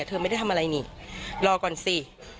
เธอไม่ได้ทำอะไรนี่รอก่อนสิ